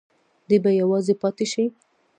دی به یوازې پاتې شي.